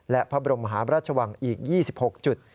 และพระบรมหาราชวังอีก๒๖จุด